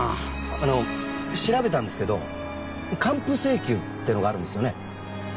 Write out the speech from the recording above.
あの調べたんですけど還付請求ってのがあるんですよね？